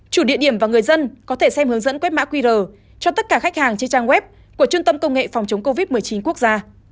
chủ địa điểm và người dân có thể xem hướng dẫn quét mã qr cho tất cả khách hàng trên trang web của trung tâm công nghệ phòng chống covid một mươi chín quốc gia